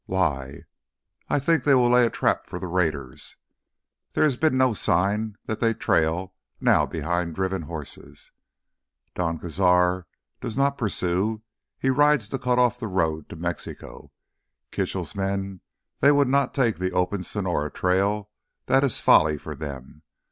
"Why?" "I think they will lay a trap for the raiders. There has been no sign that they trail now behind driven horses. Don Cazar does not pursue; he rides to cut off the road to Mexico. Kitchell's men, they would not take the open Sonora trail, that is folly for them.